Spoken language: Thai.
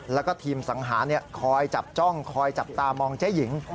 แล้วก็ทีมสังหารคอยจับจ้องคอยจับตามองเจ๊หญิง